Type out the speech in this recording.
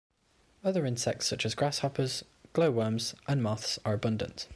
Other insects such as grasshoppers, glow-worms and moths are abundant.